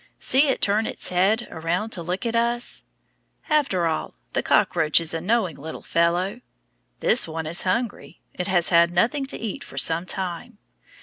See it turn its head around to look at us. After all, the cockroach is a knowing little fellow. This one is hungry; it has had nothing to eat for some time.